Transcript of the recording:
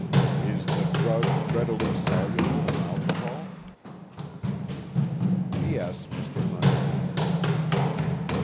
_" "Is the drug readily soluble in alcohol?" "Yes, Mr. Hunter."